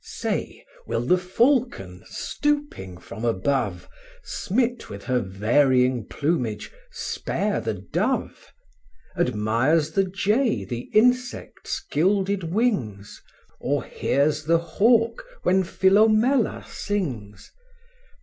Say, will the falcon, stooping from above, Smit with her varying plumage, spare the dove? Admires the jay the insect's gilded wings? Or hears the hawk when Philomela sings?